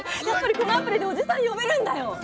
やっぱりこのアプリでおじさん呼べるんだよ。